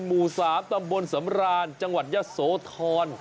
หมู่๓ตำบลสำราญจังหวัดยะโสธร